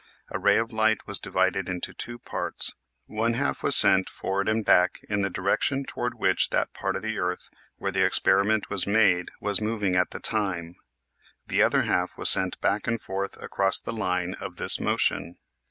A ray of light was divided into two parts; one half was sent forward and back in the direction toward which that part of the earth where the experiment was made was moving at the time; the other half was sent back and forth across the line of this motion.